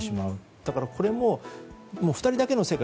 だからこれも、２人だけの世界。